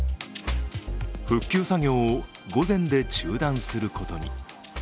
復旧作業を午前で中断することに。